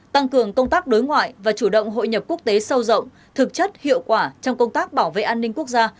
tăng cường công tác đối ngoại và chủ động hội nhập quốc tế sâu rộng thực chất hiệu quả trong công tác bảo vệ an ninh quốc gia